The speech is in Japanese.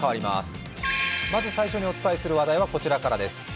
まず最初にお伝えする話題はこちらからです。